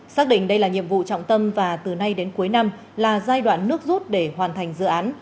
xác định đây là nhiệm vụ trọng tâm và từ nay đến cuối năm là giai đoạn nước rút để hoàn thành dự án